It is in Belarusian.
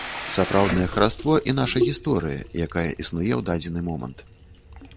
Сапраўднае хараство і наша гісторыя, якая існуе ў дадзены момант.